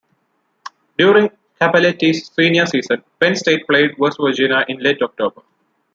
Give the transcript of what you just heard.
During Cappelletti's senior season, Penn State played West Virginia in late October.